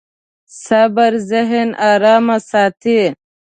صبر ذهن ارام ساتي.